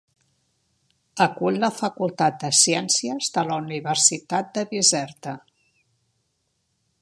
Acull la facultat de ciències de la universitat de Bizerta.